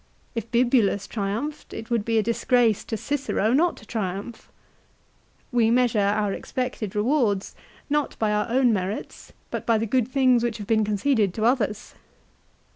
If Bibulus triumphed it would be a disgrace to Cicero not to triumph. We measure our expected rewards not by our own merits but by the good things which have been conceded to others.